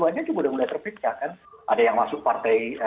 dua ratus dua belas nya juga udah mulai terpisah kan ada yang masuk partai